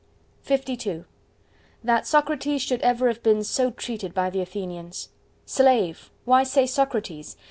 LII "That Socrates should ever have been so treated by the Athenians!" Slave! why say "Socrates"?